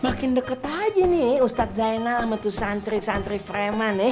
makin deket aja nih ustadz zainal sama tuh santri santri frema nih